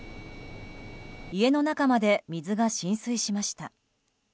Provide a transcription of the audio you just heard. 家の中まで水が浸水しました。